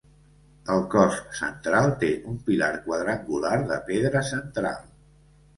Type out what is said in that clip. El cos central té un pilar quadrangular de pedra central.